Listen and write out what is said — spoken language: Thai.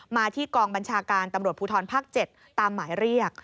มาที่กองบัญชาการตำรวจภูทรภาค๗ตามหมายเรียก